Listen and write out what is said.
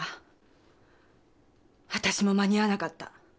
わたしも間に合わなかった。